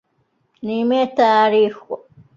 ނިމޭ ތާރީޚު